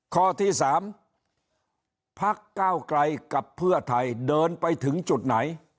ข้อที่๓พักก้าวไกลกับเพื่อไทยเดินไปถึงจุดไหน